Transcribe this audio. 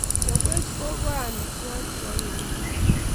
chopwech gogoe amitwogik che anyinyen